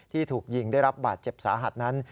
ที่ถูกยิงได้รับบาดเจ็บสาหัสนั้น